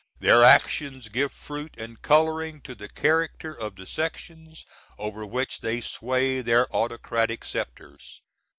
Their actions give fruit and coloring to the character of the sections over which they sway their autocratic sceptres.